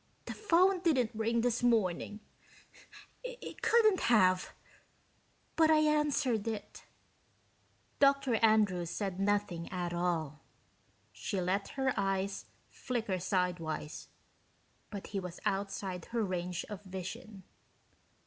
"The phone didn't ring this morning it couldn't have but I answered it." Dr. Andrews said nothing at all. She let her eyes flicker sidewise, but he was outside her range of vision.